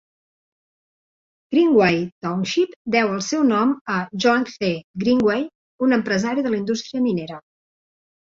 Greenway Township deu el seu nom a John C. Greenway, un empresari de la indústria minera.